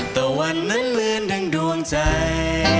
แต่วันนั้นเหมือนดังดวงใจ